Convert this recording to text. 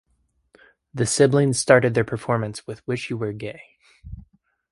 The siblings started their performance with "Wish You Were Gay".